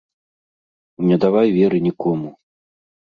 Не давай веры нікому.